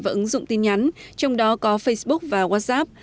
và ứng dụng tin nhắn trong đó có facebook và whatsapp